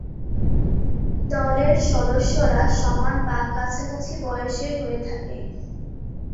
দলের সদস্যরা সমান বা কাছাকাছি বয়সের হয়ে থাকে।